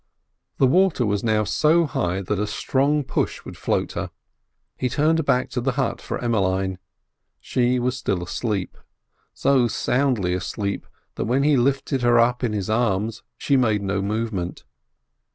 The water was now so high that a strong push would float her. He turned back to the hut for Emmeline. She was still asleep: so soundly asleep, that when he lifted her up in his arms she made no movement.